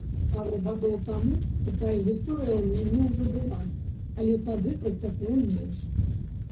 Пару гадоў таму такая гісторыя ў мяне ўжо была, але тады працякло менш.